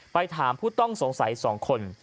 ไปถามผู้ต้องสงสัย๒คน